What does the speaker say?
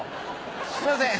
すいません。